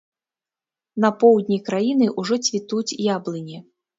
На поўдні краіны ўжо цвітуць яблыні.